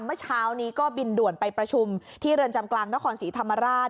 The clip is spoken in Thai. เมื่อเช้านี้ก็บินด่วนไปประชุมที่เรือนจำกลางนครศรีธรรมราช